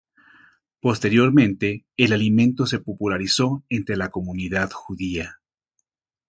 Posteriormente, el alimento se popularizó entre la comunidad judía.